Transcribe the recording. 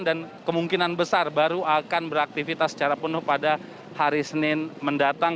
dan kemungkinan besar baru akan beraktivitas secara penuh pada hari senin mendatang